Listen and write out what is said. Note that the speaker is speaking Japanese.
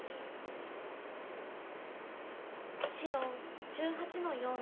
白１８の四ハネ。